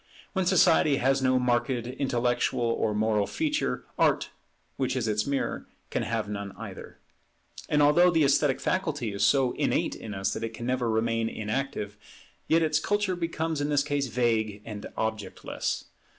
When society has no marked intellectual or moral feature, Art, which is its mirror, can have none either. And although the esthetic faculty is so innate in us that it never can remain inactive, yet its culture becomes in this case vague and objectless.